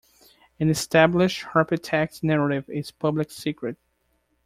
An established hypertext narrative is Public Secret.